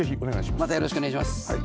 またよろしくおねがいします。